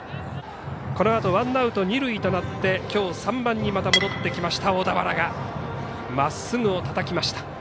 このあとワンアウト、二塁となってきょう３番にまた戻ってきた小田原がまっすぐをたたきました。